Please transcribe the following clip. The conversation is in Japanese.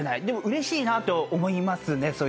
でもうれしいなと思いますね。